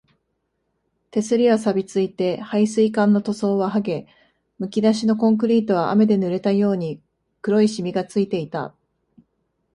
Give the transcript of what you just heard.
手すりは錆ついて、配水管の塗装ははげ、むき出しのコンクリートは雨で濡れたように黒いしみがついていた